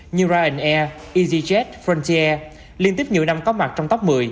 như ryanair easyjet frontier liên tiếp nhiều năm có mặt trong tốc một mươi